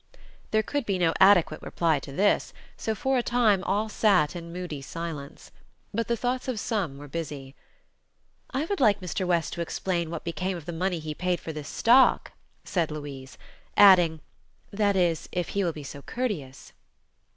There could be no adequate reply to this, so for a time all sat in moody silence. But the thoughts of some were busy. "I would like Mr. West to explain what became of the money he paid for this stock," said Louise; adding: "That is, if he will be so courteous."